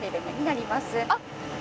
あっ。